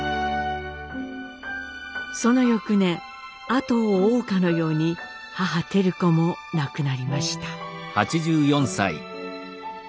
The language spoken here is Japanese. その翌年後を追うかのように母照子も亡くなりました。